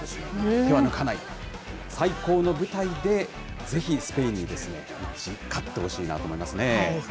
手は抜かない、最高の舞台でぜひスペインに勝ってほしいなと思いますね。